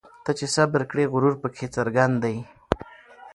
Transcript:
ته چي صبر کړې غرور پکښي څرګند دی